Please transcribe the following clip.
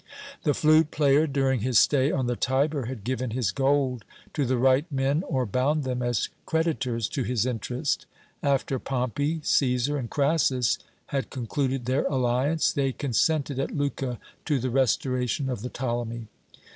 "The flute player, during his stay on the Tiber, had given his gold to the right men or bound them as creditors to his interest. After Pompey, Cæsar, and Crassus had concluded their alliance, they consented at Lucca to the restoration of the Ptolemy.